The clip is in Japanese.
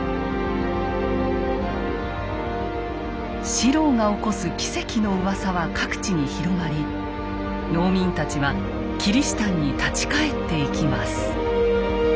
四郎が起こす奇跡のうわさは各地に広まり農民たちはキリシタンに立ち返っていきます。